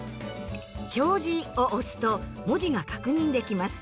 「表示」を押すと文字が確認できます。